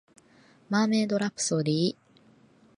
マーメイドラプソディ